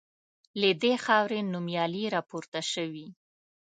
له دې خاوري نومیالي راپورته سوي